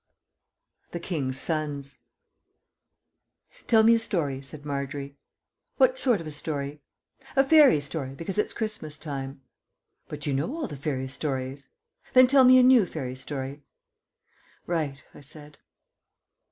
THE KING'S SONS "Tell me a story," said Margery. "What sort of a story?" "A fairy story, because it's Christmas time." "But you know all the fairy stories." "Then tell me a new fairy story." _"Right," I said.